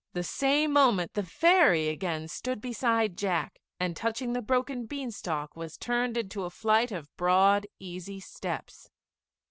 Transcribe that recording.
The same moment the fairy again stood beside Jack, and touching the broken bean stalk was turned into a flight of broad, easy steps.